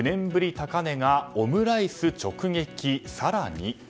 高値がオムライス直撃、更に。